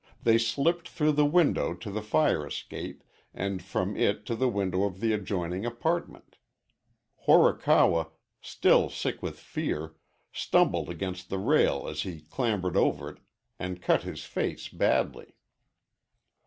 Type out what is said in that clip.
They slipped through the window to the fire escape and from it to the window of the adjoining apartment. Horikawa, still sick with fear, stumbled against the rail as he clambered over it and cut his face badly.